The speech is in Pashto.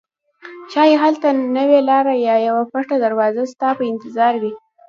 ښایي هلته نوې لاره یا یوه پټه دروازه ستا په انتظار وي.